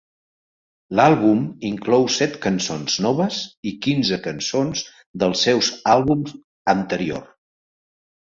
L'àlbum inclou set cançons noves i quinze cançons dels seus àlbums anterior.